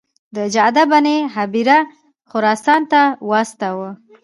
جعده بن هبیره خراسان ته واستاوه.